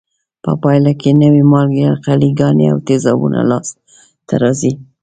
په پایله کې نوې مالګې، القلي ګانې او تیزابونه لاس ته راځي.